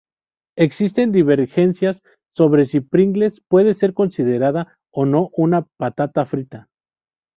Existen divergencias sobre si Pringles puede ser considerada o no una patata frita.